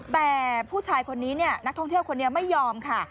แต่ผู้ชายคนนี้เนี่ยนักท่องเที่ยวคนนี้ไม่ยอมค่ะ